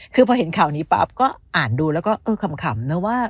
คือพอเห็นข่าวนี้ปั๊บก็อ่านดูแล้วก็เออขำนะว่า